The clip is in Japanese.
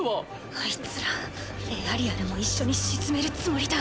あいつらエアリアルも一緒に沈めるつもりだ。